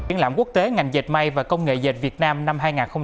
yên lãm quốc tế ngành dệt may và công nghệ dệt việt nam năm hai nghìn hai mươi bốn